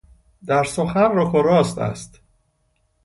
در سخن رک و رو راست است.